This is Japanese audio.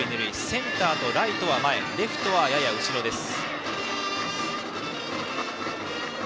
センターとライトは前レフトはやや後ろです。